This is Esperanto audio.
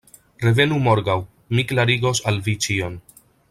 Revenu morgaŭ: mi klarigos al vi ĉion.